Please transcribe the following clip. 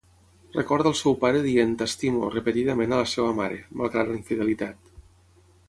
Recorda el seu pare dient "t'estimo" repetidament a la seva mare, malgrat la infidelitat.